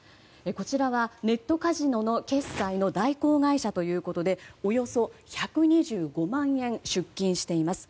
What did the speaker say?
こちらは、ネットカジノの決済の代行会社ということでおよそ１２５万円出金しています。